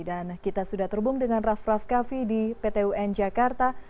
kita sudah terhubung dengan raff raff kaffi di pt un jakarta